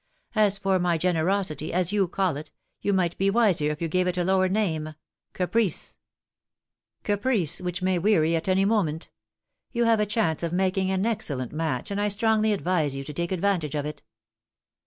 As for my generosity, as you call it, you might be wiser if you gave it a lower name caprice ; caprice which may weary at any moment. You have a chance of making an excellent match, and I strongly advise you to take advantage of it."